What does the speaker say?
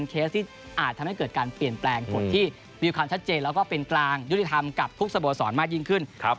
กับทุกสะบัวสอนมากยิ่งขึ้น